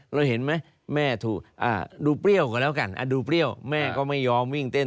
เราเห็นไหมแม่ถูกดูเปรี้ยวก่อนแล้วกันดูเปรี้ยวแม่ก็ไม่ยอมวิ่งเต้น